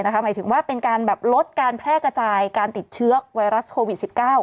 หมายถึงว่าเป็นการลดการแพร่กระจายการติดเชื้อไวรัสโควิด๑๙